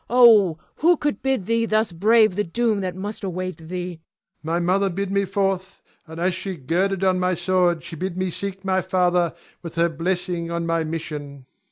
Oh, who could bid thee thus brave the doom that must await thee? Ion. My mother bid me forth; and as she girded on my sword, she bid me seek my father, with her blessing on my mission. Cleon.